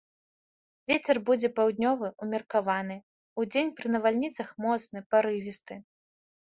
Вецер будзе паўднёвы ўмеркаваны, удзень пры навальніцах моцны парывісты.